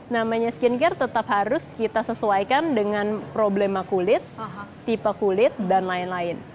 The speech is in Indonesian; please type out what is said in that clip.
namanya skincare tetap harus kita sesuaikan dengan problema kulit tipe kulit dan lain lain